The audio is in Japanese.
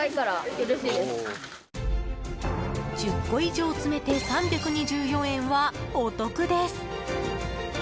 １０個以上詰めて３２４円はお得です。